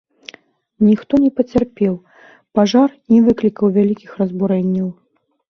Ніхто не пацярпеў, пажар не выклікаў вялікіх разбурэнняў.